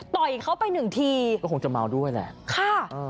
ต่อยเขาไปหนึ่งทีก็คงจะเมาด้วยแหละค่ะ